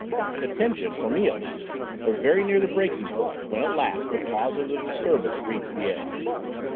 The tension, for me at least, was very near the breaking point when at last the cause of the disturbance reached the edge.